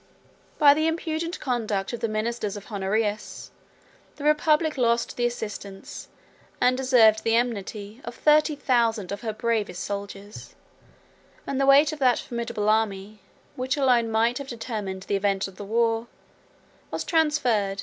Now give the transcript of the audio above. By the imprudent conduct of the ministers of Honorius, the republic lost the assistance, and deserved the enmity, of thirty thousand of her bravest soldiers; and the weight of that formidable army, which alone might have determined the event of the war, was transferred from the scale of the Romans into that of the Goths.